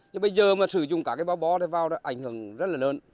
nhưng bây giờ mà sử dụng cả cái báo bó vào đó ảnh hưởng rất là lớn